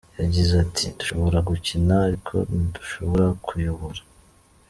Yagize ati: "Dushobora gukina, ariko ntidushobora kuyobora.